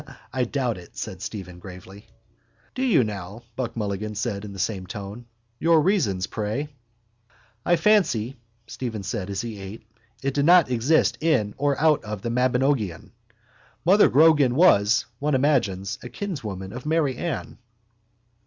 —I doubt it, said Stephen gravely. —Do you now? Buck Mulligan said in the same tone. Your reasons, pray? —I fancy, Stephen said as he ate, it did not exist in or out of the Mabinogion. Mother Grogan was, one imagines, a kinswoman of Mary Ann.